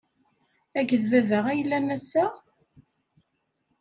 Akked baba ay llan ass-a?